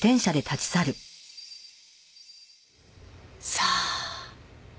さあ？